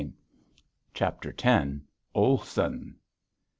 CHAPTER X OLSON!